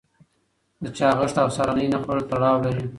د چاغښت او سهارنۍ نه خوړل تړاو لري.